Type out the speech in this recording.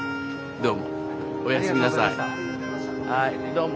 どうも。